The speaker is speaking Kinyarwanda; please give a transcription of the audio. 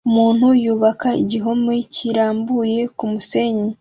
Umuntu yubaka igihome kirambuye kumusenyi